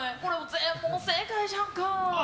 全問正解じゃんか。